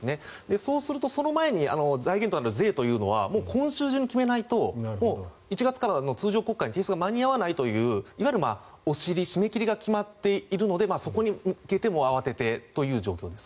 そうするとその前に財源となる税というのは今週中に決めないと１月からの通常国会に間に合わないといういわゆるお尻、締め切りが決まっているので、そこに向けて慌ててという状況です。